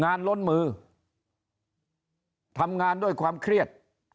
ล้นมือทำงานด้วยความเครียด